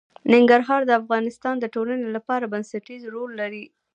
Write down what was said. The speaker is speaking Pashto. ننګرهار د افغانستان د ټولنې لپاره بنسټيز رول لري.